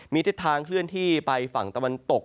มีทิศทางเคลื่อนที่ไปฝั่งตะวันตก